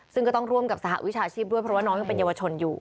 ซึ่งก็ต้องร่วมกับสหวิชาชีพด้วยเพราะว่าน้องยังเป็นเยาวชนอยู่